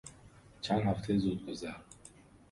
چند هفتهی زودگذر